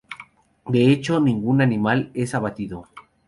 De hecho, ningún animal es abatido.